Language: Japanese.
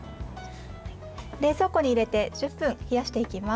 冷蔵庫に入れて１０分冷やしていきます。